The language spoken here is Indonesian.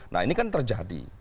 nah ini kan terjadi